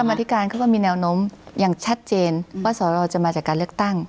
มาธิการเขาก็มีแนวโน้มอย่างชัดเจนว่าสรจะมาจากการเลือกตั้ง